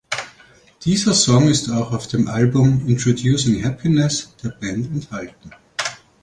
Dieser Song ist auch auf dem Album „Introducing Happiness“ der Band enthalten.